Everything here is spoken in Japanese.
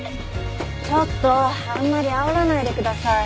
ちょっとあんまりあおらないでください。